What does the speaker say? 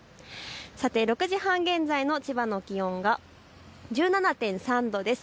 さて６時半現在の千葉の気温が１７．３度です。